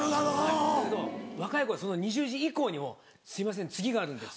だけど若い子はその２０時以降にも「すいません次があるんです」